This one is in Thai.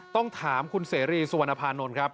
ต้องถามคุณเสรีสุวรรณภานนท์ครับ